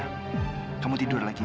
ya sudah kamu tidur lagi ya